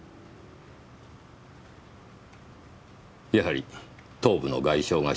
やはり頭部の外傷が死因でしたか。